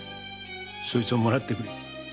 そいつをもらってくれ。